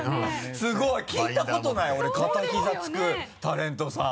すごい！聞いたことない俺片膝つくタレントさん。